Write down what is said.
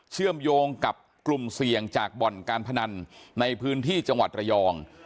เชื่อมโยงกับกลุ่มเสี่ยงจากบ่อนการพนันในพื้นที่จังหวัดระยอง